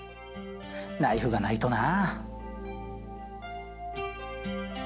ナイフがないとな。